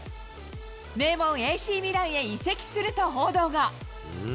名門ＡＣミランへ移籍すると報道が。